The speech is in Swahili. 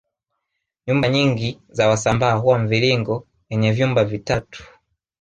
Nyumba nyingi za wasambaa huwa mviringo yenye vyumba vitatu